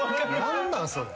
何なんそれ？